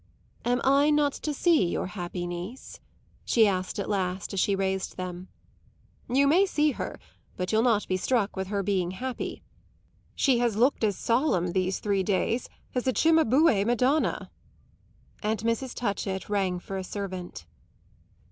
"Am I not to see your happy niece?" she asked at last as she raised them. "You may see her; but you'll not be struck with her being happy. She has looked as solemn, these three days, as a Cimabue Madonna!" And Mrs. Touchett rang for a servant.